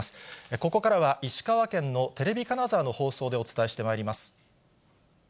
ここからは石川県のテレビ金沢の放送でお伝えしてまいります。